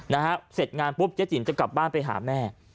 นะฮะเสร็จงานปุ๊บเจ๊จิ๋มจะกลับบ้านไปหาแม่